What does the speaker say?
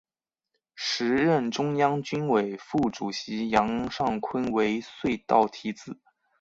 时任中央军委副主席杨尚昆为隧道题字。